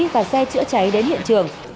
và xe chữa cháy đến hiện trường